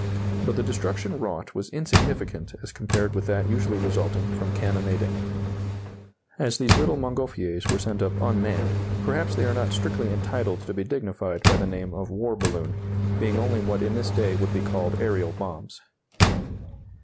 But the destruction wrought was insignificant as compared with that usually resulting from cannonading. As these little Montgolfiers were sent up unmanned, perhaps they are not strictly entitled to be dignified by the name of war balloon, being only what in this day would be called aerial bombs.